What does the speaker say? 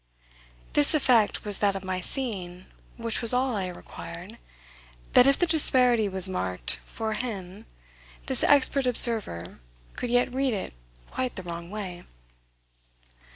This effect was that of my seeing which was all I required that if the disparity was marked for him this expert observer could yet read it quite the wrong way.